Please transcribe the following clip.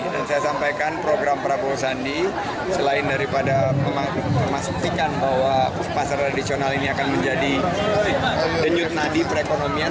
dan saya sampaikan program prabowo sandi selain daripada memastikan bahwa pasar tradisional ini akan menjadi denyut nadi perekonomian